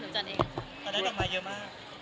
เขาเจอจากมาเยอะมาก